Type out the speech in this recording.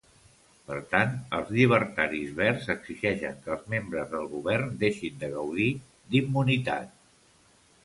Per tant, els llibertaris verds exigeixen que els membres del govern deixin de gaudir d'immunitat.